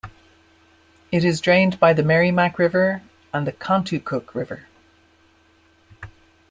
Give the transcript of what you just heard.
It is drained by the Merrimack River and Contoocook River.